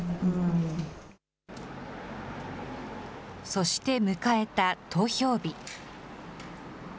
そして迎えた投票日。